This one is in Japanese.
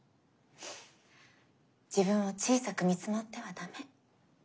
自分を小さく見積もってはダメ。